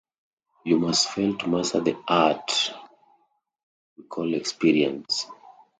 You must fail to master the art we call experience.